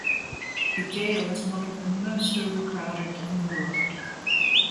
The jail is one of the most overcrowded in the world.